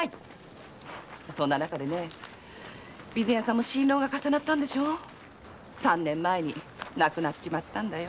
そんな中で備前屋さんも心労が重なって三年前に亡くなったんだよ。